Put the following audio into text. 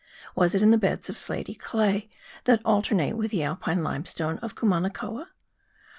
Was it in the beds of slaty clay that alternate with the alpine limestone of Cumanacoa?